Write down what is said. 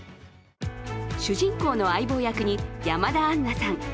主人公の相棒役に山田杏奈さん。